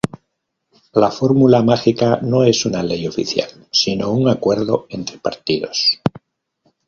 La fórmula mágica no es una ley oficial, sino un acuerdo entre partidos.